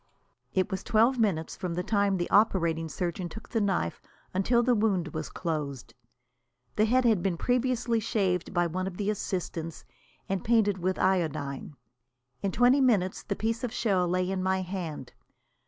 It was twelve minutes from the time the operating surgeon took the knife until the wound was closed. The head had been previously shaved by one of the assistants, and painted with iodine. In twelve minutes the piece of shell lay in my hand.